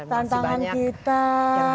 tantangan kita betul